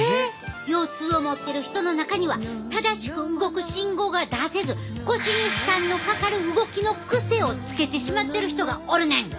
腰痛を持ってる人の中には正しく動く信号が出せず腰に負担のかかる動きのクセをつけてしまってる人がおるねん！